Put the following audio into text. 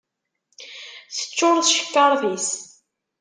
Teččuṛ tcekkaṛt-is.